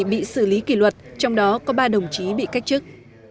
bị xử lý kỷ luật trong đó có ba đồng chí bị cách chức